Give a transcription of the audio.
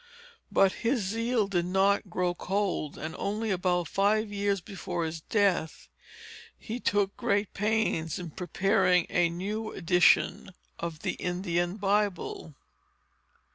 But his zeal did not grow cold; and only about five years before his death he took great pains in preparing a new edition of the Indian Bible."